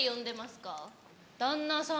旦那さん